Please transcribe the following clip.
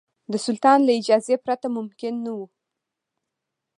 د سلطان له اجازې پرته ممکن نه وو.